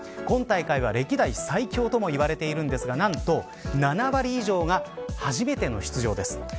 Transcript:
今大会は歴代最強ともいわれているんですが何と７割以上が初めての出場です。